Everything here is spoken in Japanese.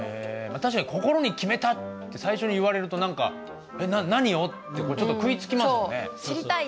確かに「心に決めた」って最初に言われると何か「えっ何を？」ってちょっと食いつきますよね。